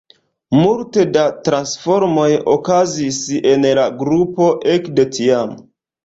Multe da transformoj okazis en la grupo ekde tiam.